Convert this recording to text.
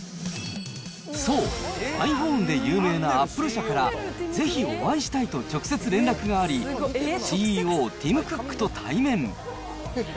そう、ｉＰｈｏｎｅで有名なアップル社から、ぜひお会いしたいと直接連絡があり、ＣＥＯ、ティム・クックと対面。